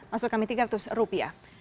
maksud kami tiga ratus rupiah